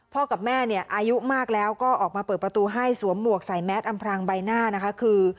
กับแม่เนี่ยอายุมากแล้วก็ออกมาเปิดประตูให้สวมหมวกใส่แมสอำพรางใบหน้านะคะคือ